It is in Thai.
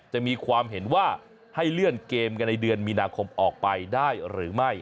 จะมีความเห็นว่าให้เลื่อนเกมกันในเดือนมีนาคมออกไปได้หรือไม่